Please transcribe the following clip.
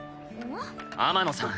天野さん。